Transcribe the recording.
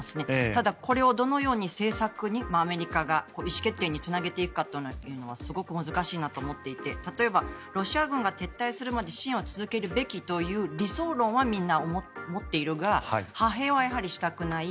ただ、これをどのように政策にアメリカが意思決定につなげていくかっていうのはすごく難しいなと思っていて例えばロシア軍が撤退するまで支援は続けるべきという理想論はみんな持っているが派兵はやはりしたくない。